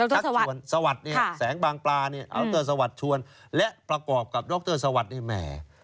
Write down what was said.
ดรสวัตติสวัตติเนี่ยแสงบางปลาเนี่ยดรสวัตติชวนและประกอบกับดรสวัตติเนี่ยแหม